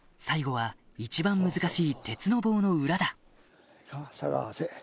最後は一番難しい鉄の棒の裏だ探せ。